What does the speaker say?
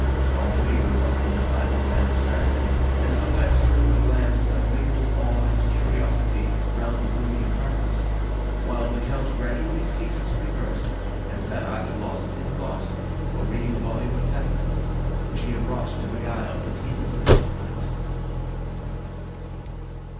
But Henri was often silent and abstracted, and sometimes threw a glance of mingled awe and curiosity round the gloomy apartment; while the Count gradually ceased to converse, and sat either lost in thought, or reading a volume of Tacitus, which he had brought to beguile the tediousness of the night.